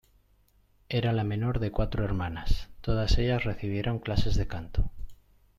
Era la menor de cuatro hermanas, todas ellas recibieron clases de canto.